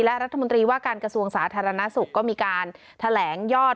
และรัฐมนตรีว่าการกระทรวงสาธารณสุขก็มีการแถลงยอด